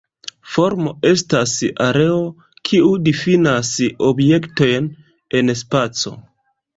Formo estas areo, kiu difinas objektojn en spaco.